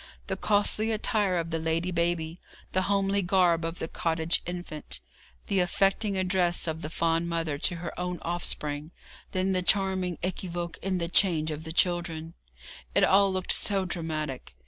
The costly attire of the lady baby, the homely garb of the cottage infant, the affecting address of the fond mother to her own offspring, then the charming équivoque in the change of the children it all looked so dramatic.